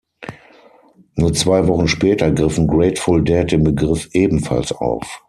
Nur zwei Wochen später griffen Grateful Dead den Begriff ebenfalls auf.